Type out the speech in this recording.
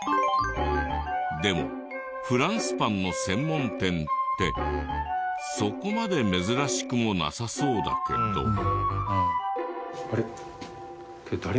でもフランスパンの専門店ってそこまで珍しくもなさそうだけど。